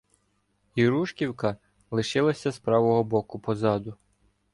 Ірушківка лишилася з правого боку позаду.